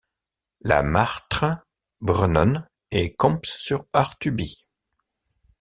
La Martre, Brenon et Comps-sur-Artuby.